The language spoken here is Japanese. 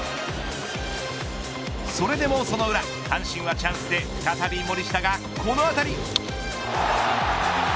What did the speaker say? それでもその裏阪神はチャンスで再び森下がこの当たり。